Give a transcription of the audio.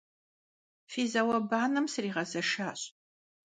Фи зауэ-банэм сригъэзэшащ.